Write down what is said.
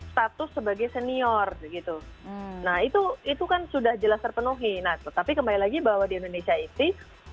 status sebagai senior gitu nah itu itu kan sudah jelas terpenuhi nah tetapi kembali lagi bahwa di indonesia itu